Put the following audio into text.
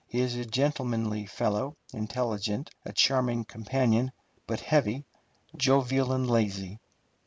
He is a gentlemanly fellow, intelligent, a charming companion, but heavy, jovial, and lazy.